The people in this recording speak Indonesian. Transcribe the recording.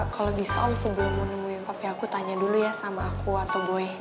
kalo bisa om sebelummu nemuin papi aku tanya dulu ya sama aku atau boy